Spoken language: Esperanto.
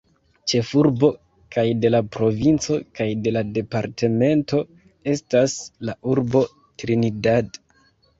Ĉefurbo kaj de la provinco kaj de la departemento estas la urbo Trinidad.